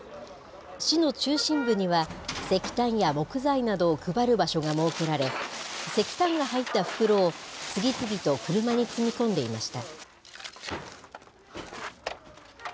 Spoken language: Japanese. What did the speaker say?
市の中心部には、石炭や木材などを配る場所が設けられ、石炭が入った袋を次々と車に積み込んでいました。